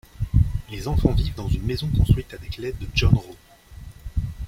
Les enfants vivent dans une maison construite avec l'aide de John Rowe.